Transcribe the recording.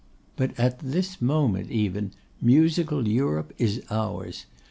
But at this moment even, musical Europe is ours.